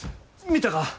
見たか？